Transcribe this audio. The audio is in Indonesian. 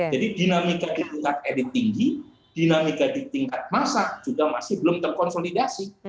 jadi dinamika di tingkat elit tinggi dinamika di tingkat massa juga masih belum terkonsolidasi